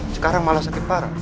sekarang malah sakit parah